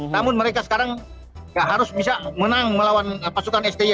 namun mereka sekarang nggak harus bisa menang melawan pasukan sti